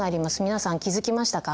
皆さん気付きましたか？